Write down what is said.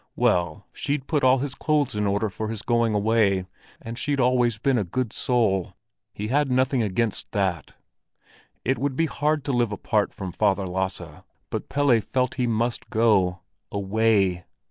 Well, she'd put all his clothes in order for his going away, and she'd always been a good soul; he had nothing against that. It would be hard to live apart from Father Lasse, but Pelle felt he must go. Away!